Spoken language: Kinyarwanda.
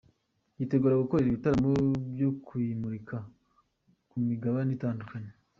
yitegura gukorera ibitaramo byo kuyimurika ku migabane itandukanye.